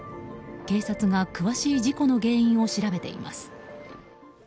警察が詳しい事故の原因を調べています。